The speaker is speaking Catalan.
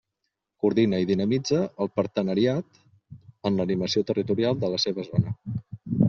Coordina i dinamitza el partenariat en l'animació territorial de la seva zona.